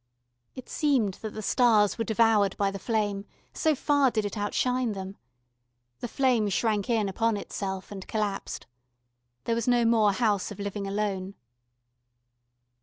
It seemed that the stars were devoured by the flame, so far did it outshine them. The flame shrank in upon itself and collapsed. There was no more House of Living Alone.